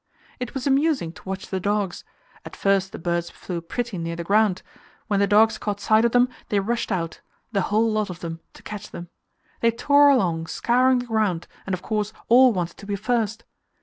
It was amusing to watch the dogs: at first the birds flew pretty near the ground; when the dogs caught sight of them, they rushed out the whole lot of them to catch them. They tore along, scouring the ground, and, of course, all wanted to be first.